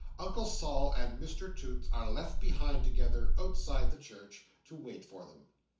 Uncle Sol and Mr Toots are left behind together, outside the church, to wait for them.